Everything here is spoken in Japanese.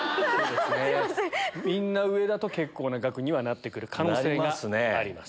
みんな上だと結構な額にはなってくる可能性があります。